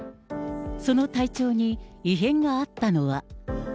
その体調に異変があったのは。